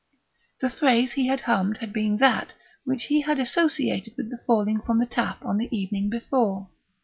The phrase he had hummed had been that which he had associated with the falling from the tap on the evening before.